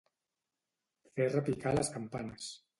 Fer repicar les campanes.